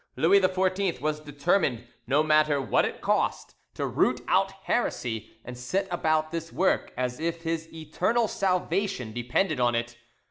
Louis XIV was determined, no matter what it cost, to root out heresy, and set about this work as if his eternal salvation depended on it.